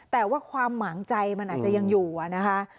แต่ว่าความหมางใจมันอาจจะยังอยู่นะคะ